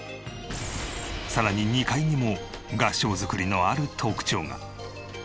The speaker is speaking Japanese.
さらに２階にも合掌造りのある特徴が。